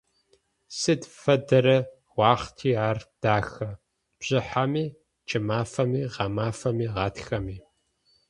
Сыд фэдэрэ уахъти ар дахэ: бжыхьэми, кӏымафэми, гъэмафэми, гъатхэми.